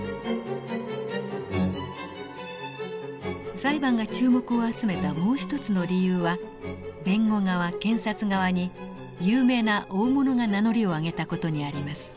裁判が注目を集めたもう一つの理由は弁護側検察側に有名な大物が名乗りを上げた事にあります。